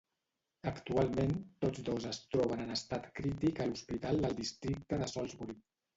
Actualment tots dos es troben en estat crític a l'Hospital del Districte de Salisbury.